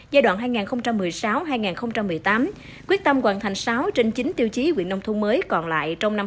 giai đoạn hai nghìn một mươi sáu hai nghìn một mươi tám quyết tâm hoàn thành sáu trên chín tiêu chí quyện nông thôn mới còn lại trong năm hai nghìn một mươi